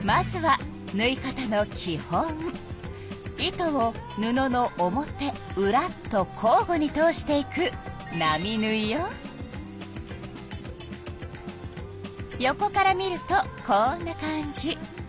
糸を布の表うらと交ごに通していく横から見るとこんな感じ。